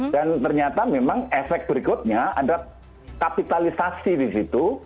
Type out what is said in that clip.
dan ternyata memang efek berikutnya adalah kapitalisasi di situ